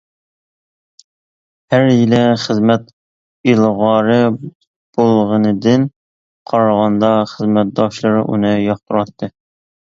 ھەر يىلى خىزمەت ئىلغارى بولغىنىدىن قارىغاندا خىزمەتداشلىرى ئۇنى ياقتۇراتتى.